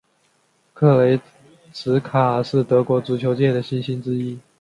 格雷茨卡是德国足球界的新星之一。